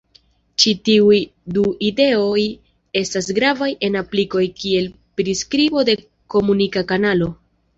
Ĉi tiuj du ideoj estas gravaj en aplikoj kiel priskribo de komunika kanalo.